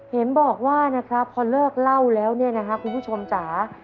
เห็นบอกว่านะครับพอเลิกเล่าแล้วเนี่ยนะครับคุณผู้ชมจ๋า